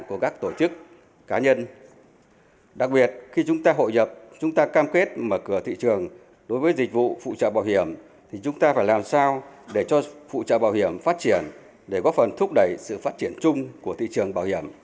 với các tổ chức cá nhân đặc biệt khi chúng ta hội nhập chúng ta cam kết mở cửa thị trường đối với dịch vụ phụ trợ bảo hiểm thì chúng ta phải làm sao để cho phụ trợ bảo hiểm phát triển để góp phần thúc đẩy sự phát triển chung của thị trường bảo hiểm